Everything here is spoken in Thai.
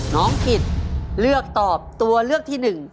น้องกิจเลือกตอบตัวเลือกที่๑